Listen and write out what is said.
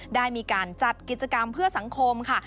ได้มีการจัดกิจกรรมเพื่อสังคมค่ะ